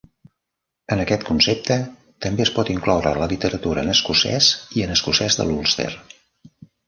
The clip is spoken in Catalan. En aquest concepte també es pot incloure la literatura en escocès i en escocès de l'Ulster.